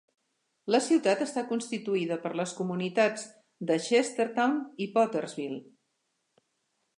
La ciutat està constituïda per les comunitats de Chestertown i Pottersville.